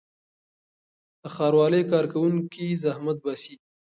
د ښاروالۍ کارکوونکي زحمت باسي.